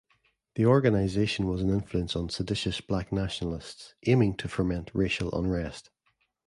The organization was an influence on seditious black nationalists, aiming to foment racial unrest.